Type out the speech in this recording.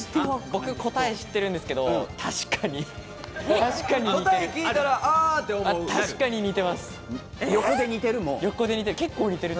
僕、答え知ってるんですけど、確かに似てる。